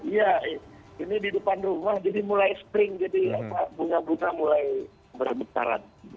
iya ini di depan rumah jadi mulai spring jadi bunga bunga mulai berbesaran